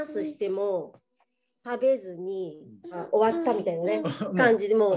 しても食べずに終わったみたいな感じで。